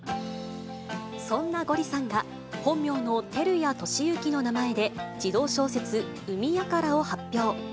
そんなゴリさんが、本名の照屋年之の名前で児童小説、海ヤカラを発表。